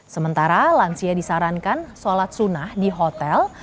sementara lansia disarankan sholat sunnah di hotel